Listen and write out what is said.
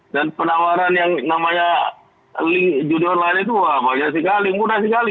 dan penawaran yang namanya judul lainnya itu banyak sekali mudah sekali